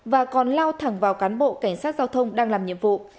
và còn lao thẳng vào cán bộ cảnh sát giao thông đang làm nhiệm vụ